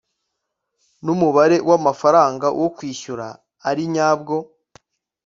n umubare w amafaranga wo kwishyura ari nyabyo